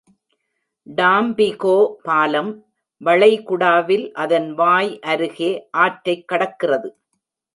Tampico பாலம் வளைகுடாவில் அதன் வாய் அருகே ஆற்றைக் கடக்கிறது.